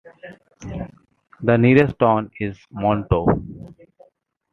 The nearest town is Monto.